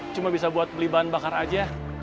cuma bisa buat beli bahan bakar aja